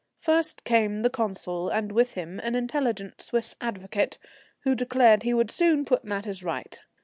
First came the Consul, and with him an intelligent Swiss advocate, who declared he would soon put matters right.